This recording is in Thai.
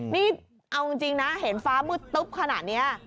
นี่เอาจริงนะเห็นฟ้ามืดตึ๊บขนาดนี้